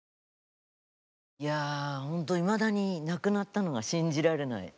いやほんといまだに亡くなったのが信じられない。